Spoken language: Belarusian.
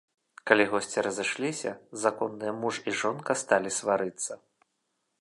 Калі госці разышліся, законныя муж і жонка сталі сварыцца.